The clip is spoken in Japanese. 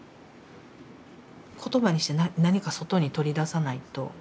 言葉にして何か外に取り出さないと。